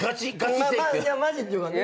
マジっていうかね